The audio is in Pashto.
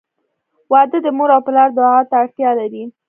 • واده د مور او پلار دعا ته اړتیا لري.